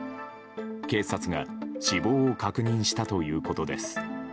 警察が死亡を確認したということです。